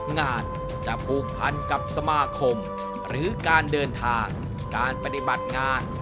งานจะผูกพันกับสมาคมหรือการเดินทางการปฏิบัติงาน